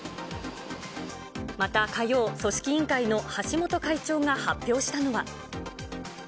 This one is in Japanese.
また火曜、組織委員会の橋本会長が発表したのは。